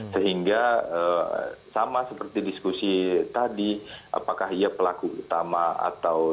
sehingga sama seperti diskusi tadi apakah ia pelaku utama atau